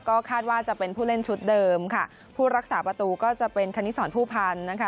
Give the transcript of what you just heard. ก็คาดว่าจะเป็นผู้เล่นชุดเดิมค่ะผู้รักษาประตูก็จะเป็นคณิตสอนผู้พันธ์นะคะ